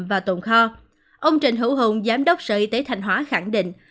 và tồn kho ông trần hữu hùng giám đốc sở y tế thành hóa khẳng định